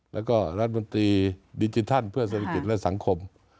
แล้วก็รัฐมนตรีดิจิทัลเพื่อเศรษฐกิจและสังคม